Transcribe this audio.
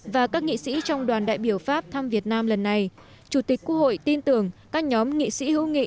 và các nghị sĩ trong đoàn đại biểu pháp thăm việt nam lần này chủ tịch quốc hội tin tưởng các nhóm nghị sĩ hữu nghị